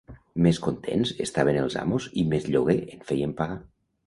Més contents estaven els amos i més lloguer en feien pagar